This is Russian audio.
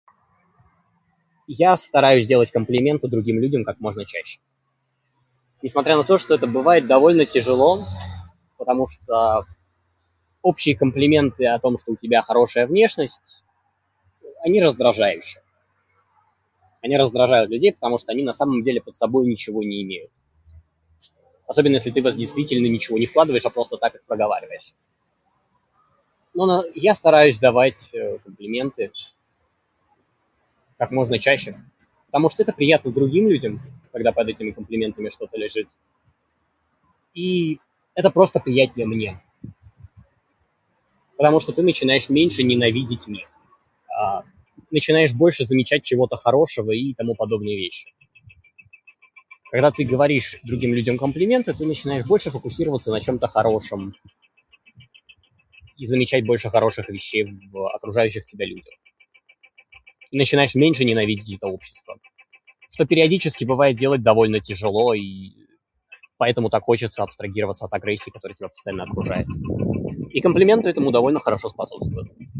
Я стараюсь делать комплименты другим людям как можно чаще. Несмотря на то, что это бывает довольно тяжело, потому что общие комплименты о том, что у тебя хорошая внешность - о- они раздражающие. Они раздражают людей, потому что они на самом деле под собой ничего не имеют. Особенно, если ты в это действительно ничего не вкладываешь, а просто так это проговариваешь. Но на я стараюсь давать, [disfluency|э], комплименты как можно чаще, потому что это приятно другим людям, когда под этими комплиментами что-то лежит. И это просто приятнее мне. Потому что ты начинаешь меньше ненавидеть мир. [disfluency|А], начинаешь больше замечать чего-то хорошего и тому подобные вещи. Когда ты говоришь другим людям комплименты, ты начинаешь больше фокусироваться на чём-то хорошем. И замечать больше хороших вещей в окружающих тебя людях. Ты начинаешь меньше ненавидеть это общество. Что периодически бывает делать довольно тяжело, и поэтому так хочется абстрагироваться от агрессии, которая тебя постоянно окружает. И комплименты этому довольно хорошо способствуют.